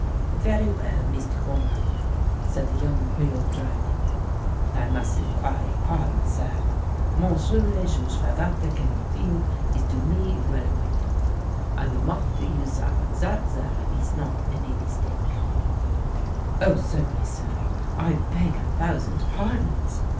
"Varee well, Meestu Coleman," said the young Creole dryly; "but I mus' inqui yo' pahdon, sah. Monsieur le Juge Favart de Caumartin ees to me well acquainted. I wemark to you, sah, zat zare ees not any mistake." "Oh certainly, sir; I beg a thousand pardons!"